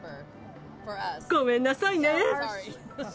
ごめんなさいね。